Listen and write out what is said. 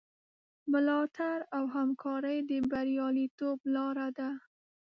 ملاتړ او همکاري د بریالیتوب لاره ده.